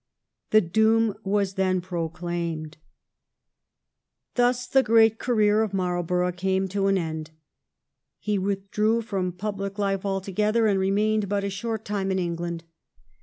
The doom was then proclaimed, 120 THE EEIGN OF QUEEN ANNE. ch. xxvi. Thus the great career of Marlborough came to an end. He withdrew from public life altogether, and remained but for a short time in England.